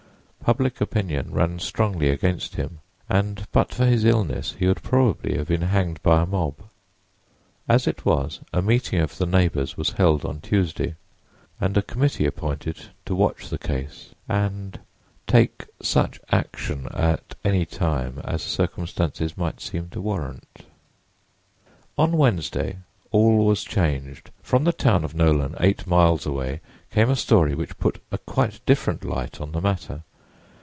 Public opinion ran strongly against him and but for his illness he would probably have been hanged by a mob. As it was, a meeting of the neighbors was held on Tuesday and a committee appointed to watch the case and take such action at any time as circumstances might seem to warrant. On Wednesday all was changed. From the town of Nolan, eight miles away, came a story which put a quite different light on the matter.